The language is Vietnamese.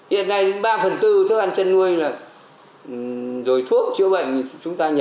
hiện nay ba phần tư thức ăn chăn nuôi rồi thuốc chữa bệnh